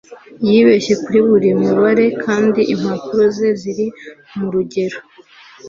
Yibeshye kuri buri mubare kandi impapuro ze ziri murugero